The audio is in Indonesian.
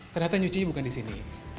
ternyata nyucinya bukan di sini